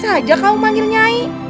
biasa saja kamu memanggil nyai